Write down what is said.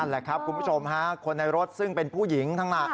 นั่นแหละครับคุณผู้ชมคนในรถซึ่งเป็นผู้หญิงทั้งหลัก